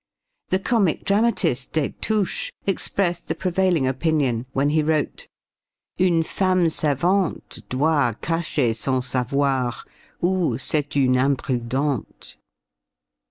The comic dramatist, Destouches, expressed the prevailing opinion when he wrote: "Une femme savante Doit cacher son savoir, ou c'est une imprudente."